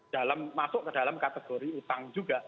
dalam masuk ke dalam kategori utang juga